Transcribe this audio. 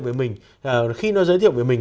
về mình khi nó giới thiệu về mình